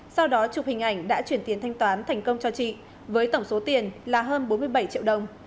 sau đó chụp hình ảnh đã chuyển tiền thanh toán thành công cho chị với tổng số tiền là hơn bốn mươi bảy triệu đồng